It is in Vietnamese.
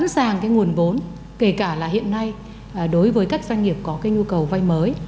để cả hiện nay đối với các doanh nghiệp có nhu cầu vay mới